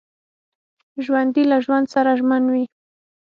ژوندي له ژوند سره ژمن وي